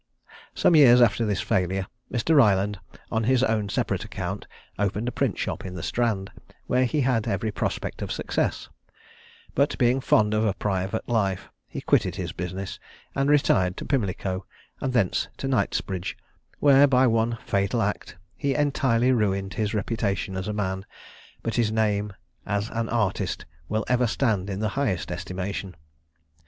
Some years after this failure, Mr. Ryland, on his own separate account, opened a print shop in the Strand, where he had every prospect of success; but being fond of a private life, he quitted his business, and retired to Pimlico, and thence to Knightsbridge, where, by one fatal act, he entirely ruined his reputation as a man; but his name, as an artist, will ever stand in the highest estimation.